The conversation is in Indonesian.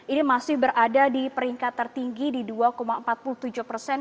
ini masih berada di peringkat tertinggi di dua empat puluh tujuh persen